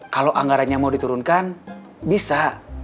kalau anggarannya mau diturunkan bisa